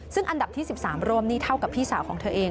ซึ่งอันดับที่๑๓ร่วมนี่เท่ากับพี่สาวของเธอเอง